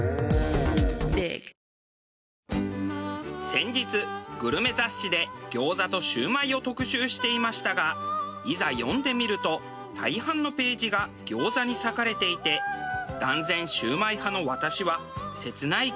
先日グルメ雑誌で餃子とシュウマイを特集していましたがいざ読んでみると大半のページが餃子に割かれていて断然シュウマイ派の私は切ない気持ちになりました。